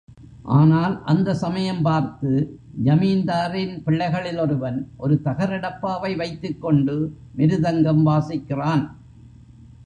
ஆனால் அந்த சமயம் பார்த்து, ஜமீன்தாரின் பிள்ளைகளில் ஒருவன் ஒரு தகர டப்பாவை வைத்துக் கொண்டு மிருதங்கம் வாசிக்கிறான்.